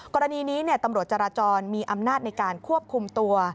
กรณีนี้ตำรวจจราจรมีอำนาจในการควบคุมตัว